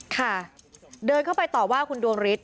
ค่ะเดินเข้าไปต่อว่าคุณดวงฤทธ